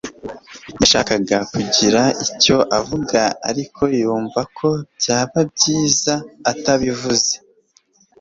yashakaga kugira icyo avuga, ariko yumva ko byaba byiza atabivuze.